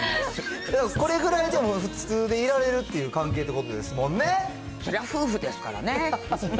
これぐらい、でも普通でいられるっていう関係っていうことでそりゃ、夫婦ですからね。